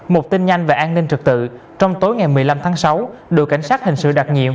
một tin nhanh về an ninh trật tự trong tối ngày một mươi năm tháng sáu đội cảnh sát hình sự đặc nhiệm